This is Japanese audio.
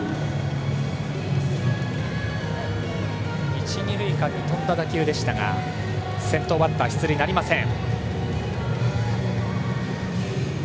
一、二塁間に飛んだ打球でしたが先頭バッター、出塁なりません。